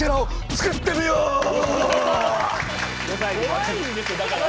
怖いんですよだからもう。